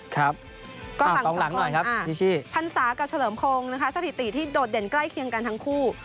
ก็หลัง๒คนพันศากับเฉลิมโครงสถิติที่โดดเด่นใกล้เคียงกันทั้งคู่